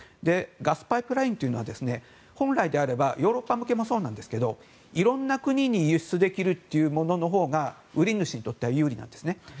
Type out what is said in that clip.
ガスパイプラインというのは本来であればヨーロッパ向けもそうですがいろんな国に輸出できるもののほうが売主にとっては有利なんですね。